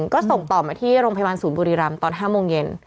ก็ส่งต่อมาที่โรงพยาบาลศูนย์บุรีรำตอน๕โมงเย็น